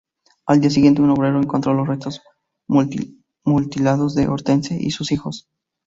Al día siguiente, un obrero encontró los restos mutilados de Hortense y sus hijos.